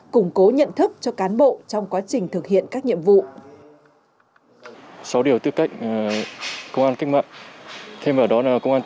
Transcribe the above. củng cố nhận thức cho cán bộ trong quá trình thực hiện các nhiệm vụ